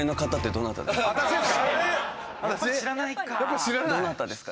どなたですかね？